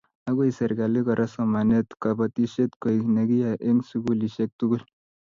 Akoyai serkali Kora somanetab kobotisiet koek nekiyaei eng sukulisiek tugul